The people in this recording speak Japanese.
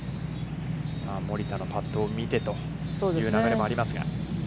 森田のパットを見てという流れもありますが。